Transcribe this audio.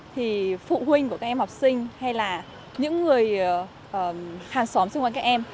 thì phụ huynh của các em học sinh hay là những người hàng xóm xung quanh các em